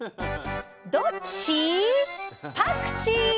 どっちぃ？